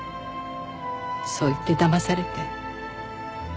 そう言ってだまされて。